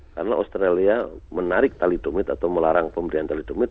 karena australia menarik telodomid atau melarang pembelian telodomid